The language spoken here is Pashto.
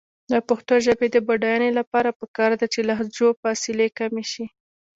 د پښتو ژبې د بډاینې لپاره پکار ده چې لهجو فاصلې کمې شي.